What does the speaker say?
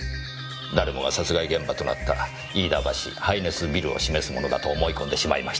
誰もが殺害現場となった飯田橋ハイネスビルを示すものだと思い込んでしまいました。